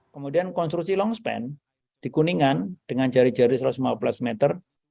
kemudian konstruksi longspan di kuningan dengan jari jari satu ratus lima belas meter